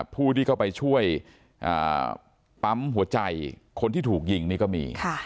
ผู้ที่เข้าไปช่วยปั๊มหัวใจคนที่ถูกยิงนี่ก็มี